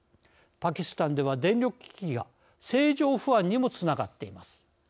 パキスタンでは電力危機が政情不安にもつながっています。